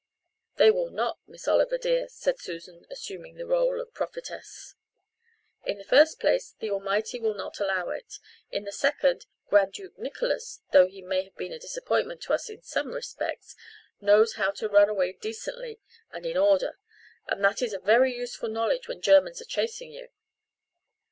"They will not, Miss Oliver dear," said Susan, assuming the role of prophetess. "In the first place, the Almighty will not allow it, in the second, Grand Duke Nicholas, though he may have been a disappointment to us in some respects, knows how to run away decently and in order, and that is a very useful knowledge when Germans are chasing you.